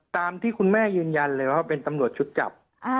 ตามที่คุณแม่ยืนยันเลยว่าเป็นตำรวจชุดจับ